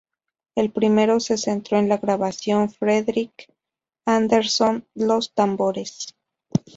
El primero se centró en la grabación Fredrik Andersson los tambores.